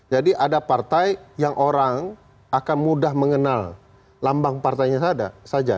jadi ada partai yang orang akan mudah mengenal lambang partainya saja